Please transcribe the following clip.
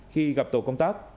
khi gặp tổ công tác